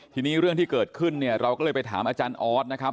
ทีนี้เรื่องที่เกิดขึ้นเนี่ยเราก็เลยไปถามอาจารย์ออสนะครับ